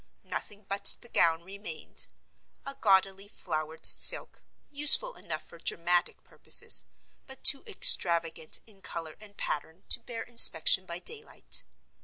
Nothing but the gown remained; a gaudily flowered silk, useful enough for dramatic purposes, but too extravagant in color and pattern to bear inspection by daylight.